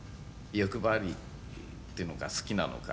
「欲張りっていうのか好きなのか」